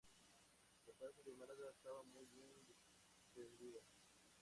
La plaza de Málaga estaba muy bien defendida.